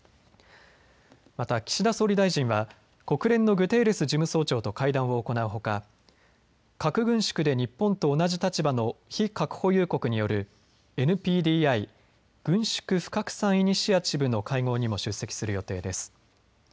また岸田総理大臣は国連のグテーレス事務総長と会談を行うほか核軍縮で日本と同じ立場の非核保有国によるＮＰＤＩ・軍縮・不拡散イニシアチブの会合にも出席する予定です。